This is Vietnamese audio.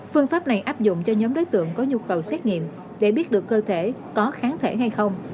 phương pháp này áp dụng cho nhóm đối tượng có nhu cầu xét nghiệm để biết được cơ thể có kháng thể hay không